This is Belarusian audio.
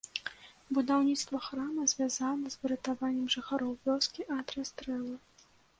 Будаўніцтва храма звязана з выратаваннем жыхароў вёскі ад расстрэлу.